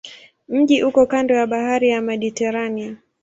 Mji uko kando ya bahari ya Mediteranea.